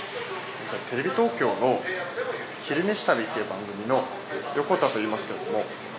テレビ東京の「昼めし旅」っていう番組の横田といいますけども。